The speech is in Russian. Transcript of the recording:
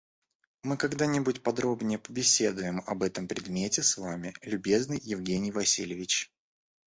Мы когда-нибудь поподробнее побеседуем об этом предмете с вами, любезный Евгений Васильич.